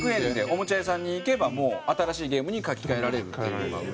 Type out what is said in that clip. おもちゃ屋さんに行けばもう新しいゲームに書き換えられるっていうのが売りで。